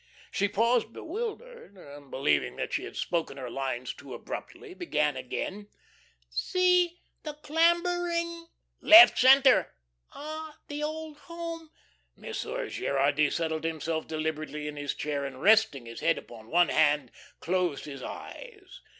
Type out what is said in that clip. She paused bewildered, and believing that she had spoken her lines too abruptly, began again: "'See, the clambering '" "Left centre." "'Ah, the old home '" Monsieur Gerardy settled himself deliberately in his chair and resting his head upon one hand closed his eyes.